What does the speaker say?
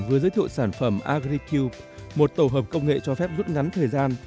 vừa giới thiệu sản phẩm agricub một tổ hợp công nghệ cho phép rút ngắn thời gian